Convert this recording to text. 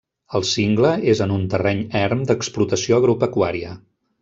El cingle és en un terreny erm d'explotació agropecuària.